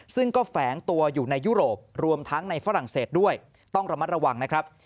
ซึ่งก็แฝงตัวอยู่ในยุโรปรวมทั้งในฝรั่งเศสด้วยต้องระมัดระวังนะครับ